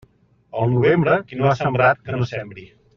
En novembre, qui no ha sembrat, que no sembre.